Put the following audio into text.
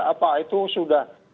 apa itu sudah